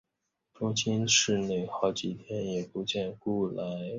可是等了好几天也不见辜来。